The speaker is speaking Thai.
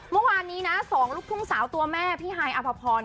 เมื่อวานนี้นะ๒ลูกทุ่งสาวตัวแม่พี่ฮายอภพร